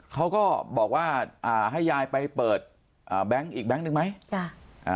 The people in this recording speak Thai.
เขาก็บอกว่าอ่าให้ยายไปเปิดอ่าแบงค์อีกแบงค์หนึ่งไหมจ้ะอ่า